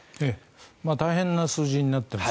大変な数字になっています。